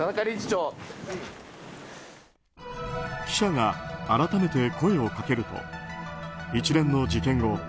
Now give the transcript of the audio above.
記者が改めて声をかけると一連の事件後